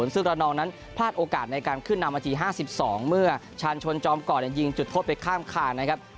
ซึ่งระนองนั้นพลาดโอกาสในการขึ้นนำนาที๕๒เมื่อชาญชนจอมก่อนยิงจุดโทษไปข้ามคานนะครับ